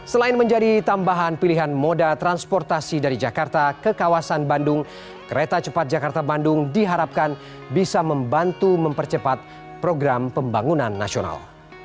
selain menjadi tambahan pilihan moda transportasi dari jakarta ke kawasan bandung kereta cepat jakarta bandung diharapkan bisa membantu mempercepat program pembangunan nasional